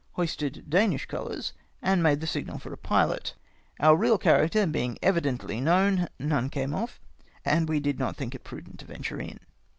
Hoisted Danish colours, and made the signal for a pilot. Our real character being evidently known, none came off, and we did not think it prudent to ventm'e in."